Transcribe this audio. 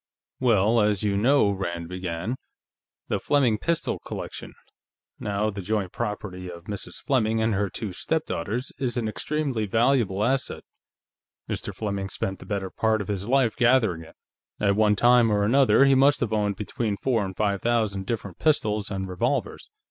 "Well, as you know," Rand began, "the Fleming pistol collection, now the joint property of Mrs. Fleming and her two stepdaughters, is an extremely valuable asset. Mr. Fleming spent the better part of his life gathering it. At one time or another, he must have owned between four and five thousand different pistols and revolvers.